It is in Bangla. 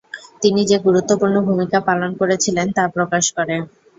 তিনি যে গুরুত্বপূর্ণ ভূমিকা পালন করেছিলেন তা প্রকাশ করে।